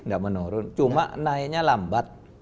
nggak menurun cuma naiknya lambat